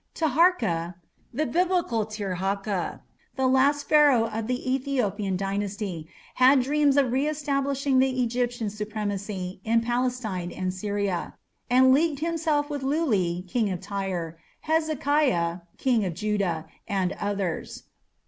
Taharka (the Biblical Tirhakah), the last Pharaoh of the Ethiopian Dynasty, had dreams of re establishing Egyptian supremacy in Palestine and Syria, and leagued himself with Luli, king of Tyre, Hezekiah, king of Judah, and others.